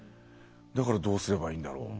だからどうすればいいんだろう。